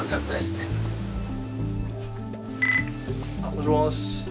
もしもし。